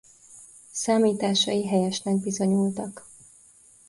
Számításai helyesnek bizonyultak.